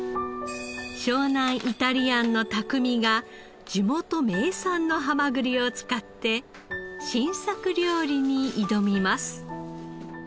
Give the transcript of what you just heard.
湘南イタリアンの匠が地元名産のハマグリを使って新作料理に挑みます。